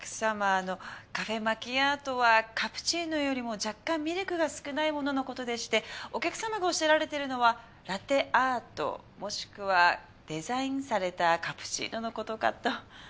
あのカフェ・マキアートはカプチーノよりも若干ミルクが少ないもののことでしてお客様がおっしゃられてるのはラテアートもしくはデザインされたカプチーノのことかと。